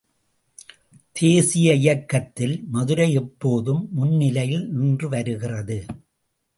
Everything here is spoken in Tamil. தேசீய இயக்கத்தில் மதுரை எப்போதும் முன்னணியில் நின்று வருகிறது.